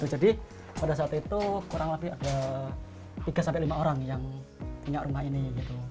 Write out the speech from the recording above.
jadi pada saat itu kurang lebih ada tiga sampai lima orang yang punya rumah ini